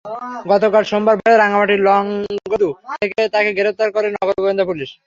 গতকাল সোমবার ভোরে রাঙামাটির লংগদু থেকে তাঁকে গ্রেপ্তার করে নগর গোয়েন্দা পুলিশ।